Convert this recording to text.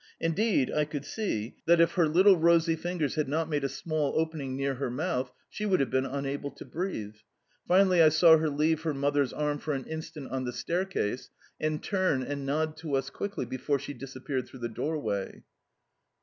Indeed, I could see that, if her little rosy fingers had not made a small, opening near her mouth, she would have been unable to breathe. Finally I saw her leave her mother's arm for an instant on the staircase, and turn and nod to us quickly before she disappeared through the doorway.